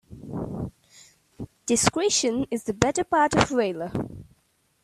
Discretion is the better part of valour.